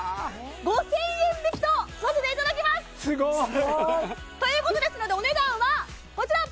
５０００円引きとさせていただきますすごい！ということですのでお値段はこちら！